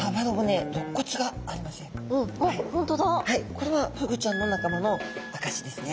これはフグちゃんのなかまのあかしですね。